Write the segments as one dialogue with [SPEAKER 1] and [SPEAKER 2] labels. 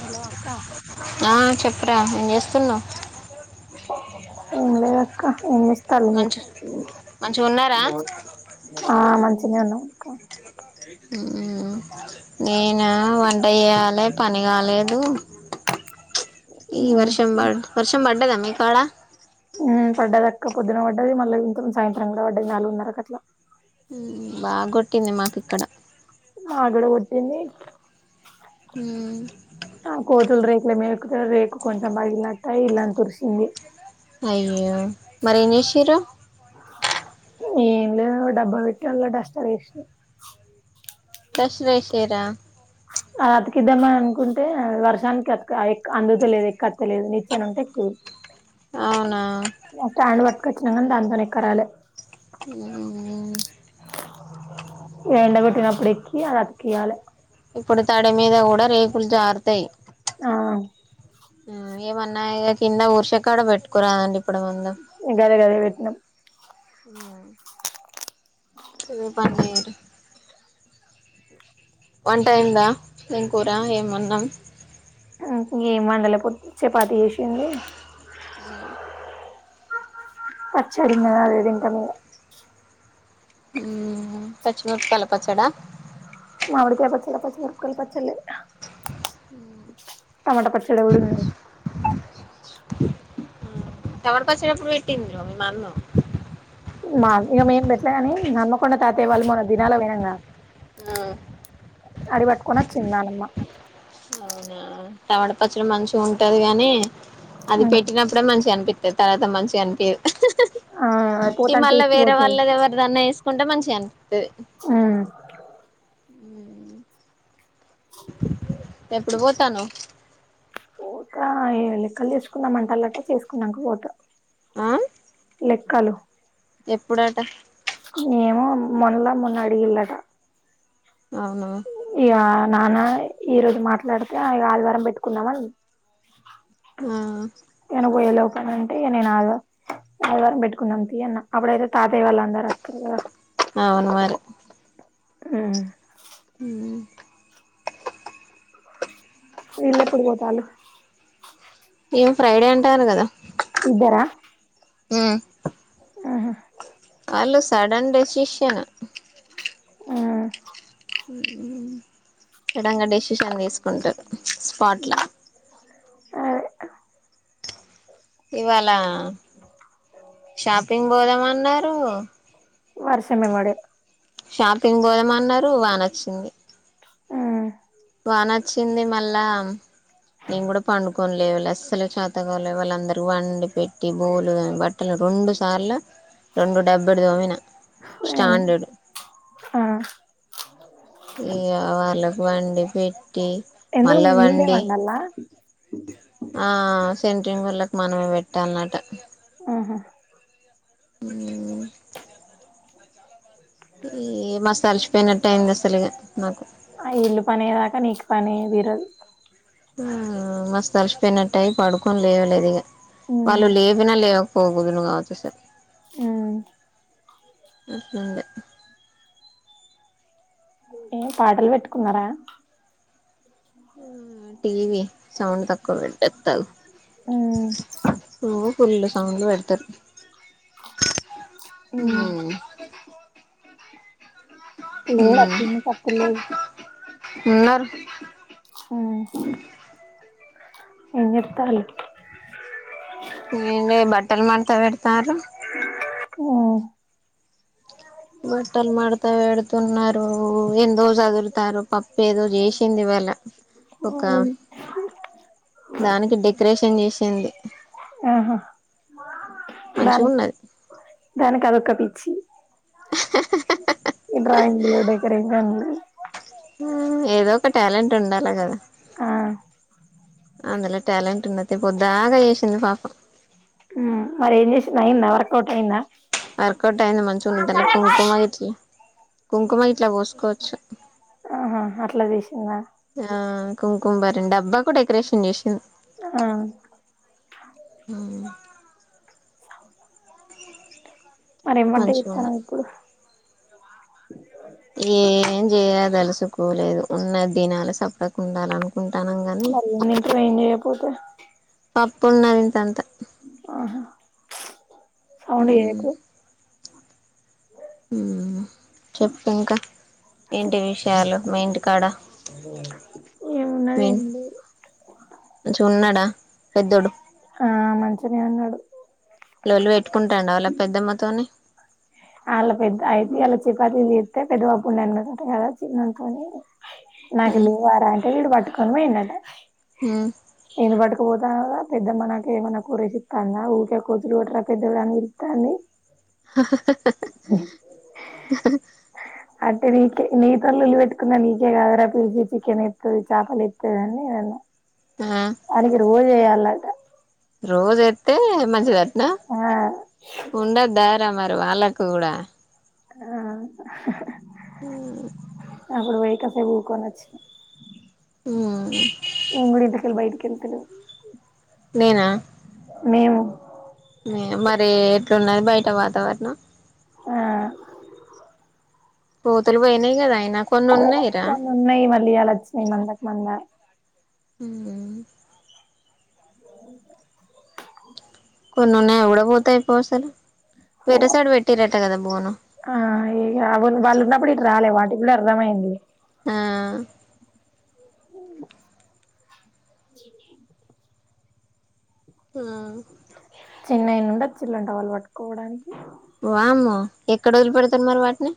[SPEAKER 1] Hello అక్క
[SPEAKER 2] ఆ చెప్పరా ఏం చేస్తున్నావ్
[SPEAKER 1] ఏం లేదక్కా ఏం చేస్తు
[SPEAKER 2] అంచు్
[SPEAKER 1] ఆ మంచినే ఉన్నాం
[SPEAKER 2] నేనా వంట చేయాలి పని కాలేదు ఈ
[SPEAKER 1] ఉమ్
[SPEAKER 2] వర్షం బ వర్షం పడ్డదా మీ కాడా
[SPEAKER 1] ఉమ్మ్ పడ్డదక్కా పొద్దున పడ్డది మళ్ళీ ఇంతం సాయంత్రం కూడా పడ్డది నాలుగున్నరక అట్లా
[SPEAKER 2] బాగొట్టింది మాకు ఇక్కడ
[SPEAKER 1] మాకు కూడా కొట్టింది
[SPEAKER 2] మ్మ్.
[SPEAKER 1] కోతుల్ రేక్ మే రేకు కొంచెం బగిలట్టాయి ఇల్లాని తురిసింది
[SPEAKER 2] అయ్యో మరేం చేసిరు
[SPEAKER 1] ఏం లేదు డబ్బా పెట్టి అళ్ళ డస్టర్ ఏసి
[SPEAKER 2] డస్ ఏసి రా
[SPEAKER 1] ఆ అతికిద్దామని అనుకుంటే వర్షానికి అతి ఎ అందుతలేదు ఎక్కు అ తెలేదు నిచ్చేన ఉంటే ఎక్కుదు
[SPEAKER 2] అవునా
[SPEAKER 1] కచ్చినంగాని దాంతోనేే ఎక్కరాలే
[SPEAKER 2] మ్మ్.
[SPEAKER 1] ఏండ పెటినప్పుడ ఏకి అలా అది కయాలి
[SPEAKER 2] ఇప్పుడు తడి మీద కూడా రేకులు జారుతాయి
[SPEAKER 1] ఆ
[SPEAKER 2] ఏమన్నయ కింద ఊర్షక్కడ పెట్టుకురా అండి
[SPEAKER 1] గదే గదే పేట్నం
[SPEAKER 2] ఉమ్మ్ పండేరు వంటైందా ఏం కూర ఏమన్నాం
[SPEAKER 1] ఇ ఏం వండల ప చపాతి చేసింది పచ్చడింది అదే తింటాం ఇంకా మీ
[SPEAKER 2] పచ్చిమిరపకాయల పచ్చడా
[SPEAKER 1] వర్కాల్వ చల్లే
[SPEAKER 2] [inaudible]
[SPEAKER 1] టమాటా పచ్చడి గూడా ఉంది
[SPEAKER 2] టమాటా పచ్చిడేప్పుడు పెట్టిండ్రు మమ్ము
[SPEAKER 1] మా ఇగ మేం పెట్టలేగాని హమ్మకొండ తాతయ్య వాళ్ళు మొన్న దినాల పోయినంగా అడ పట్టుకుని వచ్చింది నాన్నమ్మ
[SPEAKER 2] అవునా టమాటా పచ్చడి మంచి ఉంటది గాని అది
[SPEAKER 1] ఉమ్
[SPEAKER 2] పెట్టినప్పుడే మంచిగా కనిపి తవాత మంచిగానికి
[SPEAKER 1] ఆ
[SPEAKER 2] ఈ
[SPEAKER 1] పోతాంటే
[SPEAKER 2] మళ్ళ
[SPEAKER 1] ఇచ్చి
[SPEAKER 2] వేరే
[SPEAKER 1] పోతది
[SPEAKER 2] వాళ్ళది ఎవరిదన్నా ఇ కొంటే మంచిగాని
[SPEAKER 1] ఆ
[SPEAKER 2] ఉ ఎప్పుడు పోతానావు
[SPEAKER 1] కోత ఏ లెక్కలు తీసుకున్నామంటలటా చేసుకున్నాక కోత
[SPEAKER 2] ఆ
[SPEAKER 1] లెక్కలు
[SPEAKER 2] ఎప్పుడట
[SPEAKER 1] ఏమో మొన్నలా మన్న అడిగిలదా
[SPEAKER 2] అవునా
[SPEAKER 1] ఇక నాన్న ఈరోజు మాట్లాడితే అ ఆలవారం పెట్టుకున్నామని
[SPEAKER 2] ఆ
[SPEAKER 1] అంటే నేనుఆగలేను ఆదివారం పెట్టుకుందాం తీ అన్న అప్పుడయితే తాతయ్య వాళ్ళు అందరు అస్తారుకద
[SPEAKER 2] అవును మరి
[SPEAKER 1] ఆ
[SPEAKER 2] హ్మ్
[SPEAKER 1] వీళ్ళ ఎప్పుడు పోతాలు
[SPEAKER 2] ఏం ఫ్రైడే అంటాను కదా
[SPEAKER 1] ఇద్దార
[SPEAKER 2] హ్మ్
[SPEAKER 1] ఆహా
[SPEAKER 2] వాలుు సడన్ డెసిషన్
[SPEAKER 1] ఆ
[SPEAKER 2] ఎడంగా డెసిషన్ తీసుకుంటారు స్పాట్లా
[SPEAKER 1] ఆ
[SPEAKER 2] ఇవాళ షాపింగ్ పోదామన్నారు
[SPEAKER 1] వారషమె పడే
[SPEAKER 2] షాపింగ్ పోదమన్నారు వనొచ్చింది
[SPEAKER 1] ఉమ్,
[SPEAKER 2] తా నచ్చింది మళ్ళా నేను కూడా పండుకు కొనిలే వాళ్ళు అస్సలు చేతగాలే వాళ్ళు అందరుూ వండి పెట్టి బూలుని బట్టలు రెండుసార్లు రెండు డెబ్బై దోమిన
[SPEAKER 1] ఏం-
[SPEAKER 2] స్టాండర్డ్
[SPEAKER 1] ఆ,
[SPEAKER 2] ఇ వాళ్ళకు వండి పెట్టి కీ
[SPEAKER 1] ఎందుకు మీరే వండాలా
[SPEAKER 2] మల్లవడిఆ జెన్ పం వళ్కి మనమే పెట్టాలన్నట
[SPEAKER 1] ఆహా
[SPEAKER 2] [inaudible] ఏ మసల్చిపోయినట్టు అయింది అసలుగా
[SPEAKER 1] ఆ ఇల్లు పనిదాకా నీకు పని తీరదు
[SPEAKER 2] ఆ మస్తు అలిసిపోయినట్టయి పడుకొని లేవలేదు ఇ
[SPEAKER 1] ఉమ్,
[SPEAKER 2] వాళ్ళు లేవిన లే పోవుద్దులు కావచ్చ స [unintelligible]
[SPEAKER 1] ఎమ్
[SPEAKER 2] ఇంకేం లె
[SPEAKER 1] ఏ పాటలు పెట్టుకున్నారా
[SPEAKER 2] టీవీ సౌండ్ తకుబెట్ట ఎత్తగ
[SPEAKER 1] ఉమ్,
[SPEAKER 2] ఓ ఫుల్ళ సౌండ్లు పెడతారు
[SPEAKER 1] హ్మ్
[SPEAKER 2] ఉమ్
[SPEAKER 1] లే వచ్చ [unintelligible]
[SPEAKER 2] ఉన్నరు
[SPEAKER 1] హ్మ్ హు ఏంచేతలవు
[SPEAKER 2] ఏంలే బట్టలు మడుతా పెడుతారు
[SPEAKER 1] మ్
[SPEAKER 2] బట్టల్ మడుతవేడ్ తున్నారు ఎందో చదురుతారు పప్పు ఏదో చేసింది ఇ వళ
[SPEAKER 1] ఆ
[SPEAKER 2] దానికి డెకరేషన్ చేశింది
[SPEAKER 1] దాన్ దానికదొక పి చ్చి ఈ డ్రయింగ్లు డేకరేషన్లు
[SPEAKER 2] మ్ ఏదో ఒక టాలెంట్ ఉండాలా కదా
[SPEAKER 1] ఆ
[SPEAKER 2] అందులో ట్యాలెంట్ ఉన్నది పొద్దాకా చేసింది పాపం
[SPEAKER 1] ఆ మరి ఏం చేసింది అయిందా వర్కౌట్ అయిందా
[SPEAKER 2] వర్కౌట్ అయింది మంచిగా ఉన్నది అల్ల కుంకుమ ఇట్లా కుంకుమ గిట్లా పోసుకోవచ్చు
[SPEAKER 1] ఆహా అట్లా చేసిందా
[SPEAKER 2] కుంకుంమ బరని అబ్బాకుడేకరేషన్ చేసింది
[SPEAKER 1] ఆ
[SPEAKER 2] హుమ్
[SPEAKER 1] స మరి ఎం బడ్డే
[SPEAKER 2] మంచిగా ఉంది
[SPEAKER 1] చేతనావ్ ఇప్పుడు
[SPEAKER 2] తెలుసుకోలేదు ఉన్న దినాల సప్పుడేక ఉండాలనుకు
[SPEAKER 1] మరి ఎం తింటారు ఎం చేయపోతే
[SPEAKER 2] పప్పున్నది ఇంతంత
[SPEAKER 1] ఆహా
[SPEAKER 2] మ్ చెప్పు ఇంకా ఎంటి విషయాలు మీ ఇంటికాడ
[SPEAKER 1] ఏమున్నది
[SPEAKER 2] మీ
[SPEAKER 1] ఏం లేదు
[SPEAKER 2] మంచిగున్నాడా పెద్దోడు
[SPEAKER 1] ఆ మంచినే ఉన్నాడు
[SPEAKER 2] లొళ్ళి పెట్టుకుంటాండ వాళ్ళ పెద్దమ్మతోని
[SPEAKER 1] అలా పెద్ద అయితే అలా చికాకులు చేతే పెద్దబాపు ఉండి అన్నాడట కదా చిన్నోనితోని
[SPEAKER 2] ఉమ్
[SPEAKER 1] నాకులేవ్వరా అంటే వీడు పట్టుకొని పోఇండట
[SPEAKER 2] మ్
[SPEAKER 1] పోతానవ్ గా పెద్దమ్మనకేమన్నా కూరేసితందా ఊకే కోతులు కొట్టు రా పెద్దడా అనిపీలుస్తాది ఇగ నీకే నీ తోని లొల్లి పెట్టుకున్నా నీకే కాదర పిల్చీ చికెన్ ఎత్తది చేపలేత్తది అన్నీ నినన్న
[SPEAKER 2] ఆ
[SPEAKER 1] వానికి రోజెయలట
[SPEAKER 2] తె మంచి దట్
[SPEAKER 1] ఆ
[SPEAKER 2] ద మరి వాళ్ళకు కూడా
[SPEAKER 1] ఆ
[SPEAKER 2] మ్
[SPEAKER 1] అప్పుడు వైకాసేప్ కుకోకోచ్చిన
[SPEAKER 2] మ్ అ
[SPEAKER 1] నువ్ కూడ ఇంట్లకేళి బైట్కెళ్త లెవ్
[SPEAKER 2] నేనా
[SPEAKER 1] మేము
[SPEAKER 2] మే మరి ఎట్లున్నది బయట వాతావరణం
[SPEAKER 1] ఆ
[SPEAKER 2] కోతులు పోయినై కదా అయినా కొన్ని ఉన్నాయిరా
[SPEAKER 1] కొన్ని ఉన్నాయి మళ్ళ ఇయ్యాల వచ్చినాయ్ మందక్ మంద
[SPEAKER 2] మ్ కొన్నిన్నా ఎవడ పోతాయి పోసలు [unintelligible]
[SPEAKER 1] ఆ అను వాళ్ళున్న పడి ఆాలే వా [unintelligible] ఇప్పుడు అర్థమైంది
[SPEAKER 2] ఆ ఆ
[SPEAKER 1] చిన్నైన ఉండ చిల్లుంట వాళ్ళు పట్టుకోవడానికి [unintelligible]
[SPEAKER 2] వామ్మో ఎక్కడ వదిలిపెడతరు మరి వాటిని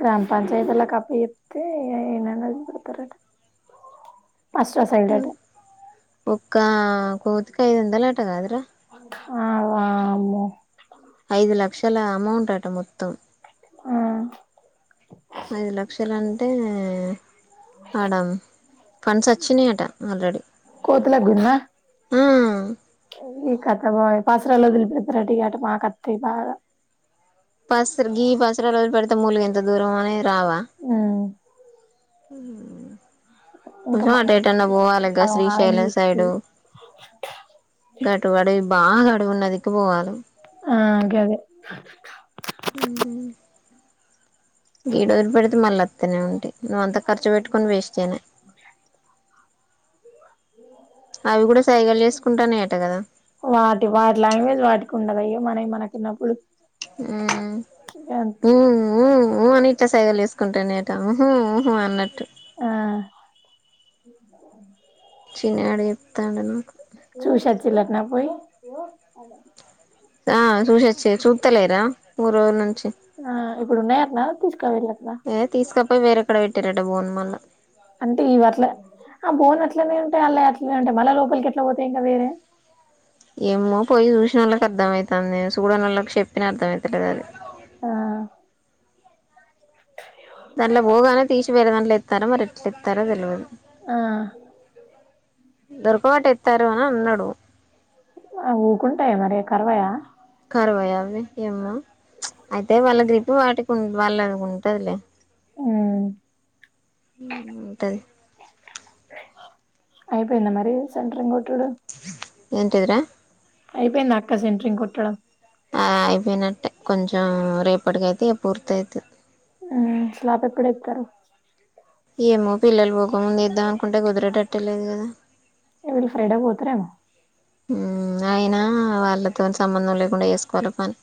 [SPEAKER 1] గ్రామ పంచాయతి ఓల్ల కప్పు జెబితే ఏనన్న వదిలి పెడతరంట ఫస్ట్ ఆ సైడ్ అట
[SPEAKER 2] ఒక్క కోతికి ఐద్దందలు అంట గదరా
[SPEAKER 1] ఆ వామ్మో
[SPEAKER 2] ఐదు లక్షల అమౌంట్ అట మొత్తం
[SPEAKER 1] ఆ
[SPEAKER 2] ఐదు లక్షలు అంటే ఆడ ఫండ్స్ వచ్చినయట ఆల్రెడీ
[SPEAKER 1] కోతుల గుడ్నా
[SPEAKER 2] ఆ
[SPEAKER 1] ఈ కథ పోా్ పాసరాలోదులు పెపురాటి కట మా కత బాగా [unintelligible]
[SPEAKER 2] పసరి గీ పసరాలో పడతా ములగ ఎంత దూరం అనే రావా [unintelligible]
[SPEAKER 1] ఉమ్
[SPEAKER 2] ఉం
[SPEAKER 1] ఇంకా
[SPEAKER 2] ఆహా
[SPEAKER 1] మనం
[SPEAKER 2] అటే టన్న పోవాల గ శ్రీశైలం సైడు గటుబడి బాగా అడువున్న దిక్కు పోవాలి
[SPEAKER 1] ఆ గదే
[SPEAKER 2] ఉం గీడ వదిలి పెడితే మళ్ళీ అత్తనే ఉంటయి నువ్వు అంత ఖర్చు పెట్టుకొని వేస్ట్ నే అవి కూడా సైగలు చేసుకుంటనయట కదా
[SPEAKER 1] వాటి వాటి లాంగ్వేజ్ వాటికి ఉండద ఏ మనయి మనకు ఉన్నప్పుడు
[SPEAKER 2] ఊ ఊ ఊ అని ఇట్లా సైగలుసుకుంటనయట ఊహ ఊహ అన్నట్టు
[SPEAKER 1] ఆ
[SPEAKER 2] చిినడి [unintelligible]
[SPEAKER 1] చూసోచ్చిరటన పోయి
[SPEAKER 2] ఆ చూసోచ్చి చుత్తలెర మూడురోజుల నుంచి
[SPEAKER 1] ఆ ఇప్పుడు ఉన్నాయటనా తీసుకువెళ్ళటనా
[SPEAKER 2] ఏ తీసుక పోయి వేరే కాడ పెట్టిరట బోన్ మల్ల
[SPEAKER 1] అంటే ఈవట్ల ఆ బోన్ అట్లనే ఉంటాయి అలా అట్లనే ఉంటాయి మళ్ లోపలికి ఎట్లా పోతయి ఇంకా వేరే
[SPEAKER 2] ఏమో పోయి చూసినవోళ్ళకి అర్థమయితుంది చూడనోళ్ళకి చెప్పిన అర్థం అయితలేదు అది
[SPEAKER 1] ఆ
[SPEAKER 2] దాన్లో పోగానే తీసి వేరే దాంట్లో ఎత్తారో మరి ఎట్లా ఎత్తారో తెలియదు
[SPEAKER 1] ఆ
[SPEAKER 2] దొరక బట్టి ఎత్తారు అని అన్నాడు
[SPEAKER 1] ఆ ఊకుంటాయా మరి కరవయా
[SPEAKER 2] కరవై అవి ఏమ్మో అయితే వాళ్ళ గ్రిప్పు వాటికి వాళ్ళ ఉంటదిలే
[SPEAKER 1] ఉమ్
[SPEAKER 2] ఉం ఉంటది
[SPEAKER 1] అయిపోయింద మరి సెంట్రింగ్ కొట్టుడు
[SPEAKER 2] ఏంటదిరా
[SPEAKER 1] అయిపోయిందా అక్క సెంట్రింగ్ కొట్టడం
[SPEAKER 2] ఆ అయిపోయినట్టే కొంచెం రేపటికి అయితే ఇగ పూర్త అయితు
[SPEAKER 1] ఉ స్లాబ్ ఎప్పుడు ఎతారు
[SPEAKER 2] ఏమో పిల్లలు పోకముందు ఏదం అనుకుంటే కుదిరేటట్టలేదు కదా
[SPEAKER 1] ఎవడు ఫ్రైడే పోతారేమో
[SPEAKER 2] అయినా వాళ్ళతో సంబంధం లేకుండా చేసుకోవాలి పని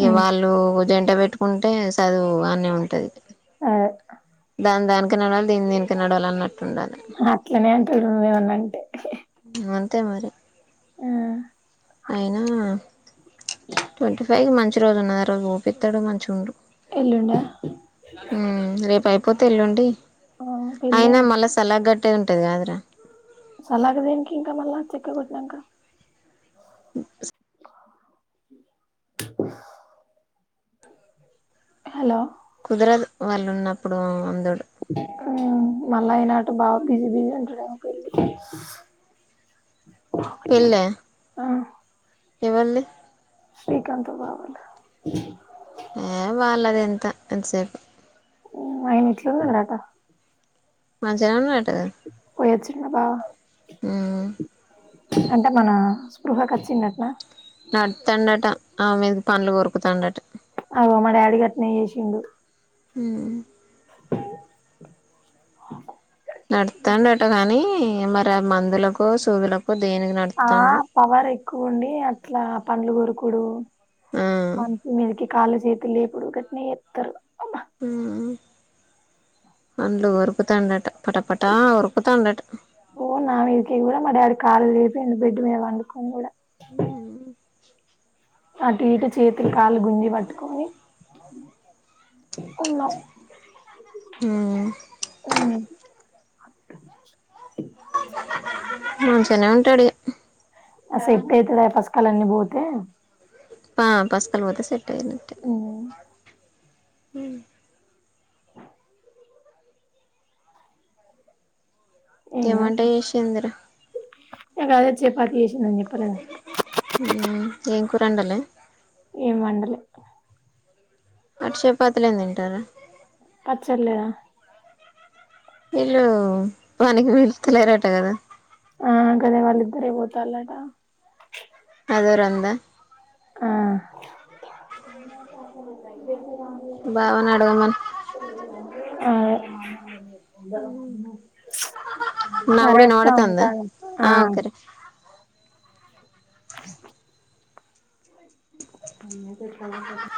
[SPEAKER 2] ఇక వాళ్ళు జంట పెట్టుకుంటే చదువు అన్నే ఉంటది
[SPEAKER 1] ఆ
[SPEAKER 2] దాని దానికి నడవాలే దీన్ దేనికీ నడవాల అన్నట్టు ఉండాలి
[SPEAKER 1] అట్లనే అంటాారు ఏమన్నాంటే
[SPEAKER 2] అంతే మరి
[SPEAKER 1] ఆ
[SPEAKER 2] అయినా ట్వంటీ ఫైవ్ కి మంచి రోజు ఉన్నది ఆ రోజు ఊపిస్తాడు మంచి ఉండు
[SPEAKER 1] ఎల్లుండా
[SPEAKER 2] హు రేపు ఐ [unintelligible] కాకపోతే ఎల్లుండి
[SPEAKER 1] ఆ పెళ్ళే
[SPEAKER 2] అయినా మళ్ళా సలహ్ గట్టేది ఉంటుంది కాదురా
[SPEAKER 1] సలాగ దేనికి ఇంకా మళ్ళా చెక్క కొట్టినాంక
[SPEAKER 2] ఓ
[SPEAKER 1] హలో
[SPEAKER 2] కుదరదు వాళ్ళు ఉన్నప్పుడు అందు
[SPEAKER 1] మళ్ళా అయిన అటు బాగా బిజీ బిజీ ఉంటాడేమో పెళ్ళి
[SPEAKER 2] అ
[SPEAKER 1] ఆ
[SPEAKER 2] ఎవర్నీ
[SPEAKER 1] శ్రీకాంత్ బవలు
[SPEAKER 2] ఆ వాళ్ళది ఎంత ఎంతసేపు
[SPEAKER 1] ఆయన ఎట్లు ఉన్నాడట
[SPEAKER 2] మంచి [unintelligible]
[SPEAKER 1] వచ్చిన్న బా
[SPEAKER 2] హు
[SPEAKER 1] అంటే మన స్పృహకు వచ్చి [unintelligible]
[SPEAKER 2] నడుతాండట ఆ మీద పనులు కొరుకుతాండట
[SPEAKER 1] అ మా డాడీ కి అట్నీ చేసిండు
[SPEAKER 2] హు నడుతాండటా కానీ మరి మందులకు సూదులకు
[SPEAKER 1] ఆ పవర్ ఎక్కువ ఉండి అట్లా పండ్లు కొరుకుడు
[SPEAKER 2] ఆ
[SPEAKER 1] మంచి మీదకి కాళ్ళ చేతి లేపుడు ఒకటినే ఇస్తారు
[SPEAKER 2] హు పండ్లు కోరుకుతాండట పట పటా కొరుకుతాండట
[SPEAKER 1] కాళ్ళ [unintelligible] డబెడ్ మీద పండుకొను కూడ అటు ఇటు చేతులు కాళ్లు గుంజి పట్టుకొని ఉన్నాం ఆ
[SPEAKER 2] నుంచనే ఉంటాడు
[SPEAKER 1] [unintelligible] పసకలన్నీ పోతే
[SPEAKER 2] ఆ పస్కల్ పోతే సెట్ [unintelligible]
[SPEAKER 1] ఉ
[SPEAKER 2] ఉ
[SPEAKER 1] ఏం
[SPEAKER 2] ఏమంటా చేసిందిరూ
[SPEAKER 1] మేము అదే చపాతీ చేేసింధనిచప్పలే
[SPEAKER 2] ఎం కూర వండలే
[SPEAKER 1] ఏం అండాలే
[SPEAKER 2] మరి చపాతిలే తింటారా
[SPEAKER 1] మా చెల్లెనా
[SPEAKER 2] వీళ్ళు పనికి పిలుస్తలేరట కదా
[SPEAKER 1] ఆ గదే వాళ్ళద్దరే పోతలట
[SPEAKER 2] అదేరందా [inaudible]
[SPEAKER 1] ఆ
[SPEAKER 2] బావనాడగా మను
[SPEAKER 1] అదే
[SPEAKER 2] నా
[SPEAKER 1] సరే
[SPEAKER 2] కూడా
[SPEAKER 1] అక్క
[SPEAKER 2] వినబడుతుందా
[SPEAKER 1] ఉంటన ఆ
[SPEAKER 2] ఓకే రా
[SPEAKER 1] ఆ మెసేజ్ కవర్ కర్లీ